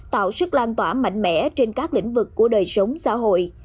tạo sức lan tỏa mạnh mẽ trên các lĩnh vực của đời sống xã hội